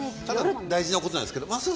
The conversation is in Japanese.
ただ大事なことなんですけど。